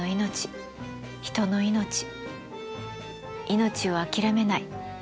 命を諦めない。